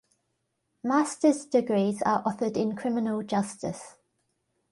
Master's degrees are offered in Criminal Justice.